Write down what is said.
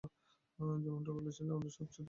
যেমনটা বলেছ, আমরা সব সিসিটিভি ফুটেজ চেক করেছি।